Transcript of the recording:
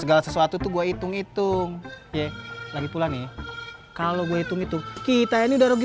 segala sesuatu itu gua hitung hitung ya lagi pulang ya kalau gue itu itu kita ini udah rugi